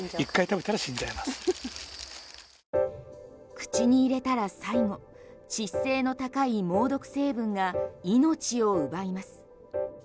口に入れたら最後致死性の高い猛毒成分が命を奪います。